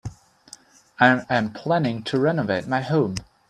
I am planning to renovate my home.